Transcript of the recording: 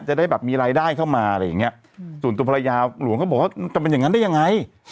จะได้แบบมีรายได้เข้ามาอะไรอย่างเงี้ยส่วนตัวภรรยาหลวงก็บอกว่าจะเป็นอย่างนั้นได้ยังไง